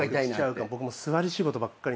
僕も座り仕事ばっかりなので。